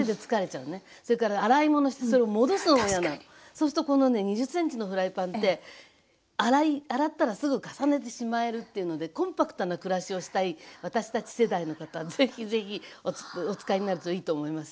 そうするとこのね２０ｃｍのフライパンって洗ったらすぐ重ねてしまえるっていうのでコンパクトな暮らしをしたい私たち世代の方はぜひぜひお使いになるといいと思いますよ。